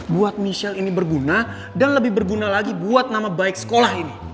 buat michelle ini berguna dan lebih berguna lagi buat nama baik sekolah ini